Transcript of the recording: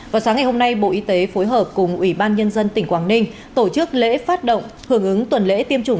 vào sáng ngày hôm nay bộ y tế phối hợp cùng ủy ban nhân dân tỉnh quảng ninh tổ chức lễ phát động hưởng ứng tuần lễ tiêm chủng